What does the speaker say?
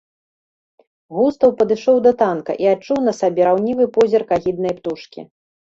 Густаў падышоў да танка і адчуў на сабе раўнівы позірк агіднай птушкі.